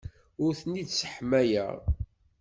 Ur ten-id-sseḥmayeɣ.